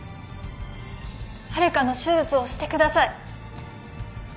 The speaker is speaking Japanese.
遙の手術をしてください